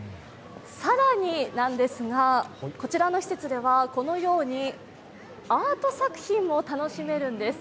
更になんですが、こちらの施設ではこのようにアート作品も楽しめるんです。